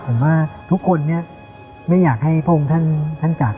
ผมว่าทุกคนเนี่ยไม่อยากให้พระองค์ท่านจาก